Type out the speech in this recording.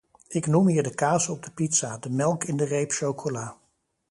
Ik noem hier de kaas op de pizza, de melk in de reep chocola.